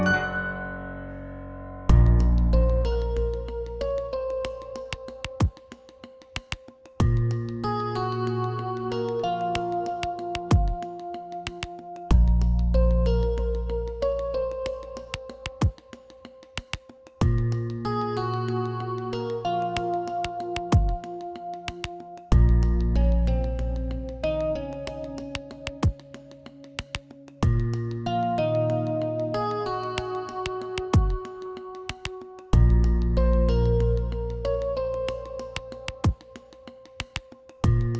nggak ada yang mencerigakan